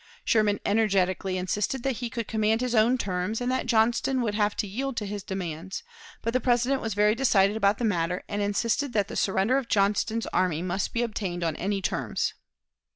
Sherman energetically insisted that he could command his own terms, and that Johnston would have to yield to his demands; but the President was very decided about the matter, and insisted that the surrender of Johnston's army must be obtained on any terms."